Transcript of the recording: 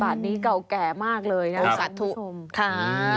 บาดนี้เก่าแก่มากเลยนะครับ